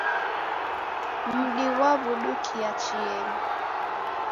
Mdi ghwaw'udukia chienyi